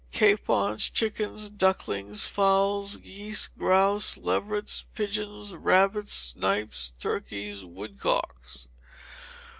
Capons, chickens, ducklings, fowls, geese, grouse, leverets, pigeons, rabbits, snipes, turkeys, woodcocks.